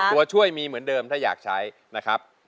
ตัวช่วยมีเหมือนเดิมถ้าอยากใช้นะครับ